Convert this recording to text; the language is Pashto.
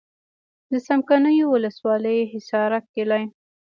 د څمکنیو ولسوالي حصارک کلی.